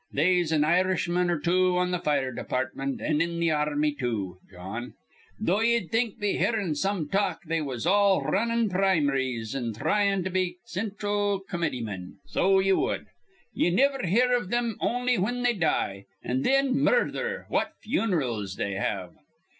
They'se an Irishman 'r two on th' fire departmint an' in th' army, too, Jawn, though ye'd think be hearin' some talk they was all runnin' prim'ries an' thryin' to be cinthral comitymen. So ye wud. Ye niver hear iv thim on'y whin they die; an' thin, murther, what funerals they have!